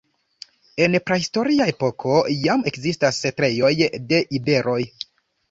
En prahistoria epoko jam ekzistis setlejoj de iberoj.